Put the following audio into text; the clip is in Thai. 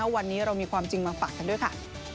วันนี้เรามีความจริงมาฝากกันด้วยค่ะ